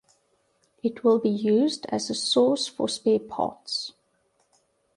It will be used as a source for spare parts.